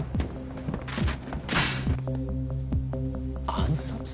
暗殺！？